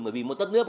bởi vì một tất nước